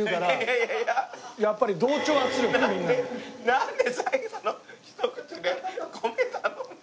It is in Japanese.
なんで最後のひと口で米頼む。